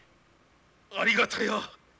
ありがたや。